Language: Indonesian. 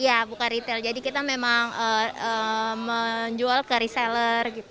iya bukan retail jadi kita memang menjual ke reseller gitu